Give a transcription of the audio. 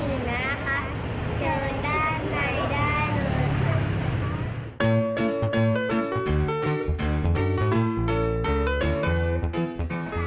ขอบคุณนะครับเชิญได้ไหมได้เลย